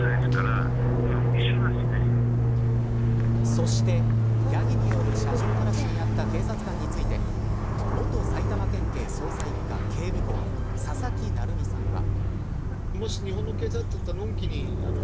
そしてヤギによる車上荒らしに遭った警察官について元埼玉県捜査一課警部補佐々木成三さんは。